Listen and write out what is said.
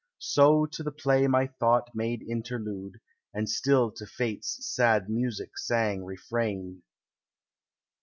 So to the play my thought made interlude, And still to fate's sad music sang refrain.